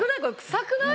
臭くない？